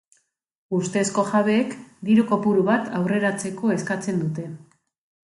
Ustezko jabeek diru kopuru bat aurreratzeko eskatzen dute.